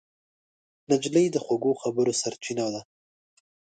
نجلۍ د خوږو خبرو سرچینه ده.